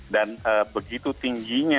dan begitu tingginya